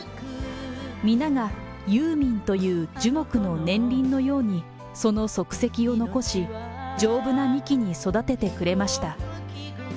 皆がユーミンという樹木の年輪のように、その足跡を残し、丈夫な幹に育ててくれました。